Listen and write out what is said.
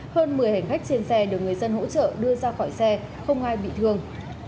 hơn một mươi hành khách trên xe được người dân hỗ trợ đưa ra khỏi xe không ai bị thương